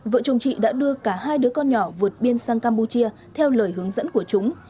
vợ chồng chị đã đưa cả hai đứa con nhỏ vượt biên sang campuchia theo lời hướng dẫn của chúng